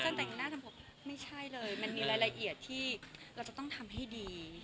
ถ้าแต่งหน้าทำผมไม่ใช่เลยมันมีรายละเอียดที่เราจะต้องทำให้ดี